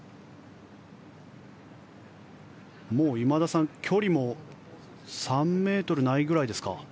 もう今田さん、距離も３ｍないぐらいですか？